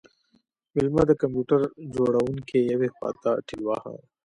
میلمه د کمپیوټر جوړونکی یوې خواته ټیل واهه